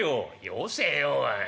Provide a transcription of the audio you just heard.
「よせよおい。